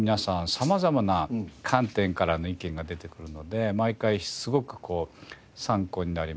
様々な観点からの意見が出てくるので毎回すごく参考になりますし。